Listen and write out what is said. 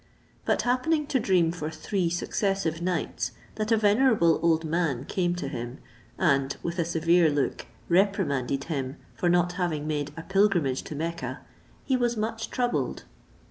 But happening to dream for three successive nights that a venerable old man came to him, and, with a severe look, reprimanded him for not having made a pilgrimage to Mecca, he was much troubled.